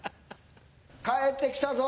帰ってきたぞ。